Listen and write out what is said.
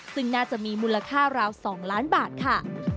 ซึ่งน่าจะมีมูลค่าราว๒ล้านบาทค่ะ